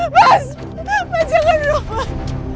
mas mas jangan dong mas